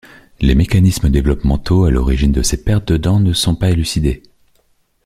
Les mécanismes développementaux à l'origine de ces pertes de dents ne sont pas élucidés.